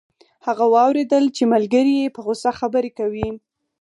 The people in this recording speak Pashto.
هغه واوریدل چې ملګری یې په غوسه خبرې کوي